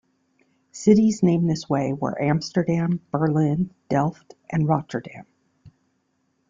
Cities named this way were Amsterdam, Berlin, Delft, and Rotterdam.